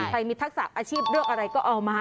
ใครมีทักษะอาชีพเลือกอะไรก็เอามา